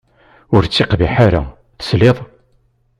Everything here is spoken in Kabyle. Ur ttiqbiḥ ara, tesliḍ!